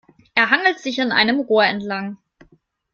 Er hangelt sich an einem Rohr entlang.